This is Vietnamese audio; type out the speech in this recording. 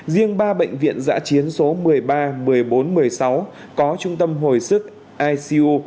riêng ba bệnh viện giã chiến số một mươi ba một mươi bốn một mươi sáu có trung tâm hồi sức icu